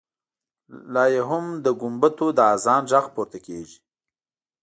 لا یې هم له ګمبدو د اذان غږ پورته کېږي.